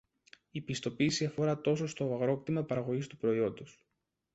Η πιστοποίηση αφορά τόσο στο αγρόκτημα παραγωγής του προϊόντος